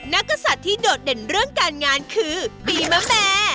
กษัตริย์ที่โดดเด่นเรื่องการงานคือปีมะแม่